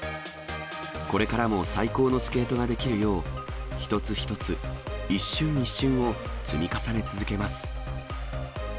これからも最高のスケートができるよう、一つ一つ、一瞬一瞬を積み重ね続けます。